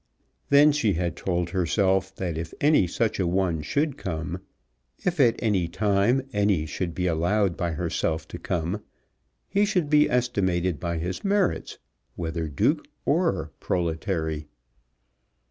Then she had told herself that if any such a one should come, if at any time any should be allowed by herself to come, he should be estimated by his merits, whether Duke or proletary.